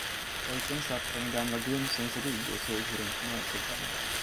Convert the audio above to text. Pojken satt på den gamla gumsens rygg och såg hur de smög sig fram.